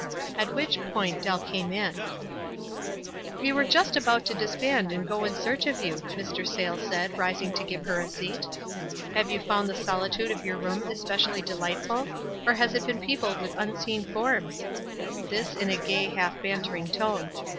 At w T hich point Dell came in. 190 WISE AND OTHERWISE. "We were just about to disband and go in search of you," Mr. Sayles said, rising to givo her a scat. "Have you found the solitude of your room especially delightful, or has it been peopled with unseen forms?" This in a gay, half bantering tone.